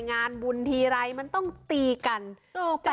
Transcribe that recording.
งานบูรณ์ทีไรมันต้องตีกันโอ้ปะ